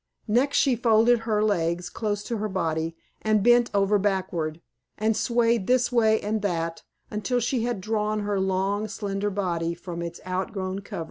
Next she folded her legs close to her body, and bent over backward, and swayed this way and that, until she had drawn her long, slender body from its outgrown covering.